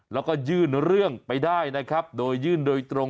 แล้วก็ยื่นเรื่องไปได้นะครับโดยยื่นโดยตรง